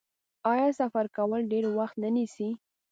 آیا سفر کول ډیر وخت نه نیسي؟